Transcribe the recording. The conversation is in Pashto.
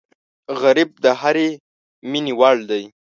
غریب د هرې مینې وړ دی